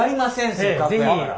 せっかくやから。